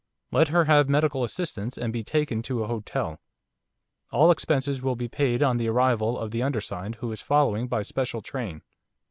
Let her have medical assistance and be taken to a hotel. All expenses will be paid on the arrival of the undersigned who is following by special train.